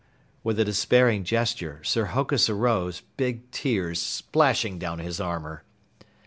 With a despairing gesture, Sir Hokus arose, big tears splashing down his armor.